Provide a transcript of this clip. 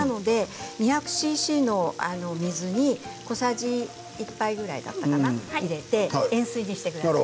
２００ｃｃの水に小さじ１杯ぐらいだったかな塩水にしてください。